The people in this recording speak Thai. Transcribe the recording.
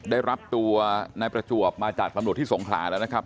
ได้รับตัวนายประจวบมาจากตำรวจที่สงขลาแล้วนะครับ